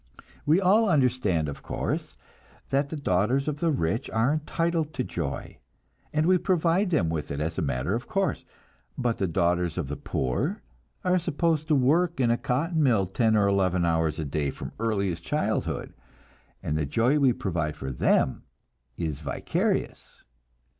We all understand, of course, that the daughters of the rich are entitled to joy, and we provide them with it as a matter of course; but the daughters of the poor are supposed to work in a cotton mill ten or eleven hours a day from earliest childhood, and the joy we provide for them is vicarious.